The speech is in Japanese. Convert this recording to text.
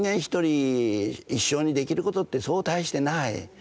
一人一生にできることってそう大してない。